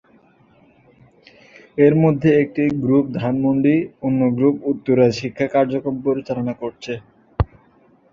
এরমধ্যে একটি গ্রুপ ধানমন্ডি, অন্য গ্রুপ উত্তরায় শিক্ষা কার্যক্রম পরিচালনা করছে।